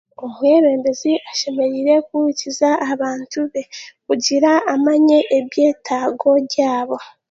Omwebembezi ashemereire kuhurikiza abantu be kugira amanye ebyetaago byabo.